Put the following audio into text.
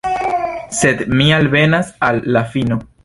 Sed mi alvenas al la fino.